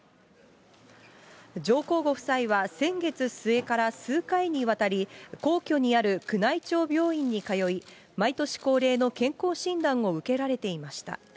上皇ご夫妻は、先月末から数回にわたり、皇居にある宮内庁病院に通い、毎年恒例の健康診断を受けられていました。